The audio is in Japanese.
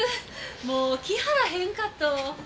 もう来はらへんかと。